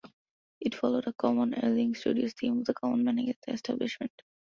It followed a common Ealing Studios theme of the "common man" against the Establishment.